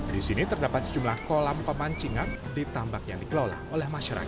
di sini terdapat sejumlah kolam pemancingan di tambak yang dikelola oleh masyarakat